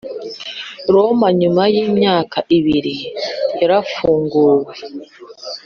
Roma Nyuma y imyaka ibiri yarafunguwe.